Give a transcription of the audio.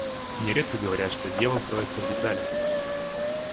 Нередко говорят, что дьявол кроется в деталях.